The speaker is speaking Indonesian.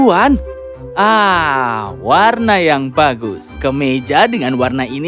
harapkah me offended dengan satu vells bagi kebencanaan ini